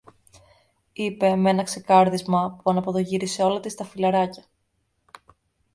είπε μ' ένα ξεκάρδισμα που αναποδογύρισε όλα της τα φυλλαράκια